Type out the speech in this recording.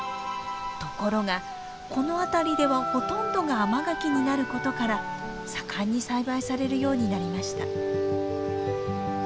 ところがこの辺りではほとんどが甘柿になることから盛んに栽培されるようになりました。